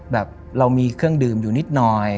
แบบเรามีเครื่องดื่มอยู่นิดหน่อย